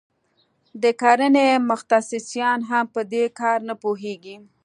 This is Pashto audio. د کرنې متخصصان هم په دې کار نه پوهیږي.